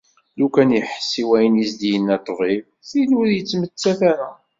Lukan iḥess i wayen i s-d-yenna ṭṭbib, tili ur yettmettat ara.